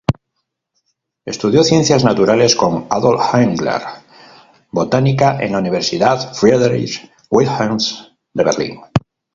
Estudió Ciencias Naturales con Adolf Engler, Botánica en la Universidad Friedrich-Wilhelms, de Berlín.